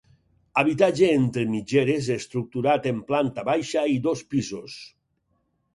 Habitatge entre mitgeres estructurat en planta baixa i dos pisos.